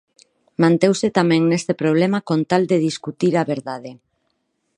Meteuse tamén neste problema con tal de discutir a verdade.